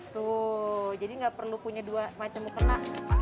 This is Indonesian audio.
tuh jadi gak perlu punya dua macam mukena